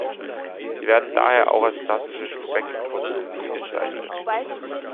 Sie werden daher auch als klassische Spektroskopie bezeichnet.